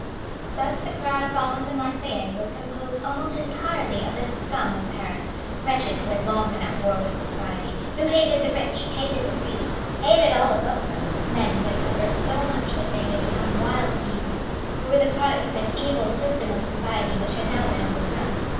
Thus the crowd following the Marseillais was composed almost entirely of the scum of Paris, wretches who had long been at war with society, who hated the rich, hated the priests, hated all above them men who had suffered so much that they had become wild beasts, who were the products of that evil system of society which had now been overthrown.